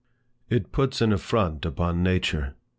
It puts an affront upon nature.